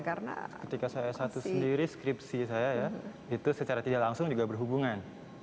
ketika saya satu sendiri skripsi saya ya itu secara tidak langsung juga berhubungan